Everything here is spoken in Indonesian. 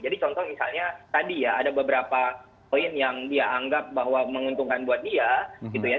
jadi contoh misalnya tadi ya ada beberapa koin yang dia anggap bahwa menguntungkan buat dia gitu ya